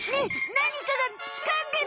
なにかがつかんでる！